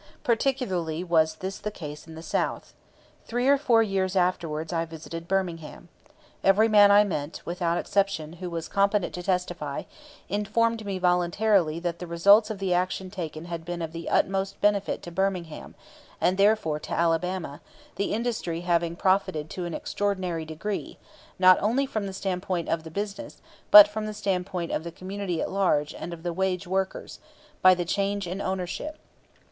Particularly was this the case in the South. Three or four years afterwards I visited Birmingham. Every man I met, without exception, who was competent to testify, informed me voluntarily that the results of the action taken had been of the utmost benefit to Birmingham, and therefore to Alabama, the industry having profited to an extraordinary degree, not only from the standpoint of the business, but from the standpoint of the community at large and of the wage workers, by the change in ownership.